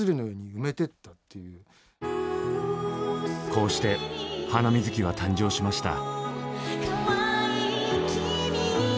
こうして「ハナミズキ」は誕生しました。